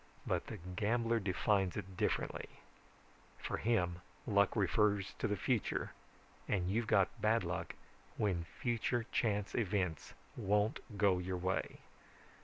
But the gambler defines it differently. For him, luck refers to the future, and you've got bad luck when future chance events won't go your way.